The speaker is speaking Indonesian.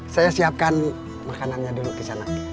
saya siapkan makanannya dulu kisah nak